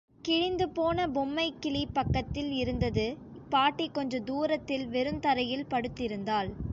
கிழிந்து போன பொம்மைக்கிளி பக்கத்தில் இருந்தது, பாட்டி கொஞ்ச தூரத்தில் வெறுந்தரையில் படுத்திருந்தாள்.